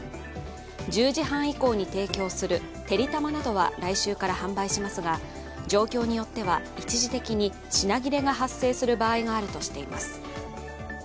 １０時半以降に提供するてりたまなどは来週から販売しますが状況によっては一時的に品切れが発生する場合があるとしています。